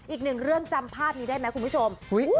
อีกหนึ่งเรื่องจำภาพนี้ได้ไหมคุณผู้ชม